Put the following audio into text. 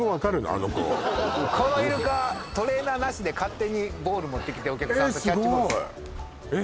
あの子このイルカトレーナーなしで勝手にボール持ってきてお客さんとキャッチボールするえ